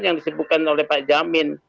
yang disebutkan oleh pak jamin